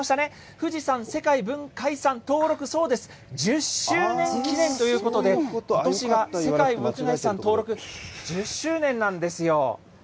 富士山世界文化遺産登録、そうです、１０周年記念ということで、ことしが世界文化遺産登録１０周年なんですよ。